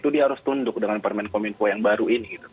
dia harus tunduk dengan permen kominfo yang baru ini